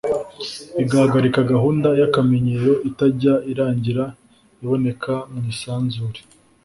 igahagarika gahunda y’akamenyero itajya irangira iboneka mu isanzure.